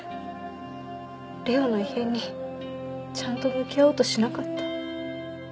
玲生の異変にちゃんと向き合おうとしなかった。